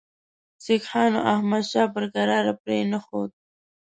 سیکهانو احمدشاه پر کراره پرې نه ښود.